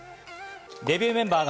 デビューメンバーが